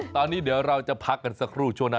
ตอนนี้เดี๋ยวเราจะพักกันสักครู่ช่วงหน้า